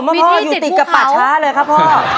ตึกของผมครับพ่ออยู่ติดกับปัชช้าเลยครับพ่อ